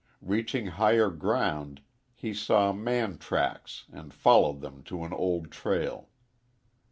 Reaching higher ground he saw man tracks and followed them to an old trail.